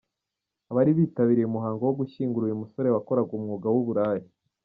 Abari bitabiriye umuhango wo gushyingura uyu mugore wakoraga umwuga w’uburaya.